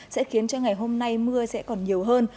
sẽ khiến cho ngày hôm nay mưa sẽ còn nhiều hơn